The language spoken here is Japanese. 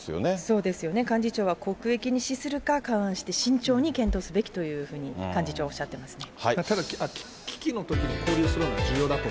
そうですよね、幹事長は国益に資するか勘案して、慎重に検討すべきというふうに幹事長、おっしゃってますね。